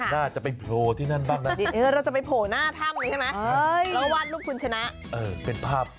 น่าจะไปโผล่ที่นั่นบ้างนะ